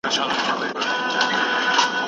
او ما د خټو په راډیو کې د بندي غومبسې